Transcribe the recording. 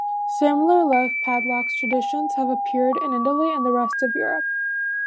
Similar love padlocks traditions have appeared in Italy and the rest of Europe.